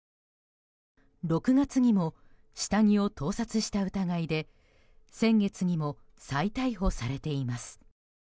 ６月にも下着を盗撮した疑いで先月にも再逮捕されています。